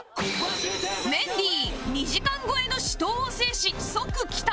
メンディー２時間超えの死闘を制し即帰宅